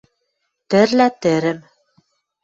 Тӹрлӓ тӹрӹм